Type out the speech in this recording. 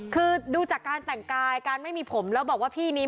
คือดูจากการแต่งกายการไม่มีผมแล้วบอกว่าพี่นี้